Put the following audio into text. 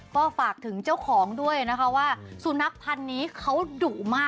ก็ฝากถึงเจ้าของด้วยนะคะว่าสุนัขพันธ์นี้เขาดุมาก